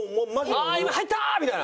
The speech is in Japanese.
「ああー今入った！」みたいな？